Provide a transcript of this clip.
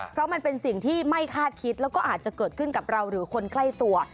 เพราะมันเป็นสิ่งที่ไม่คาดคิดแล้วก็อาจจะเกิดขึ้นกับเราหรือคนใกล้ตัว